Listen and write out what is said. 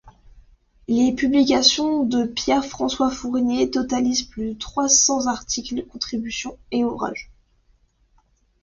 Les publications de Pierre-François Fournier totalisent plus de trois-cents articles, contributions et ouvrages.